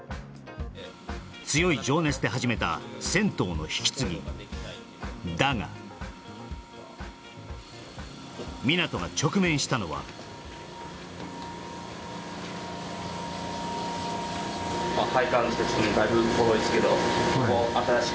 強い情熱で始めた銭湯の引き継ぎだが湊が直面したのはあっ